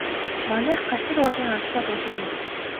Манайх Галшар уулын ойролцоо буусан байв.